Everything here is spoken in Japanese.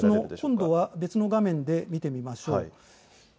今度は別の画面で見てみましょう。